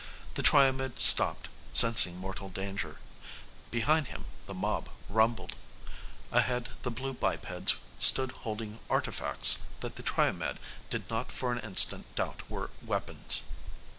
The Triomed stopped, sensing mortal danger. Behind him, the mob rumbled. Ahead the blue bipeds stood holding artifacts that the Triomed did not for an instant doubt were weapons.